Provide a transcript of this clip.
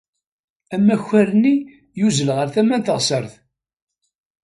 Amakar-nni yuzzel ɣer tama n teɣsert.